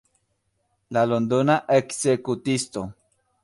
La Londona ekzekutisto.